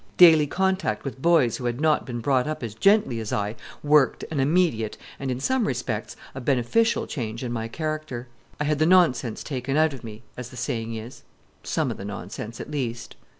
Daily contact with boys who had not been brought up as gently as I worked an immediate, and, in some respects, a beneficial change in my character. I had the nonsense taken out of me, as the saying is some of the nonsense, at least.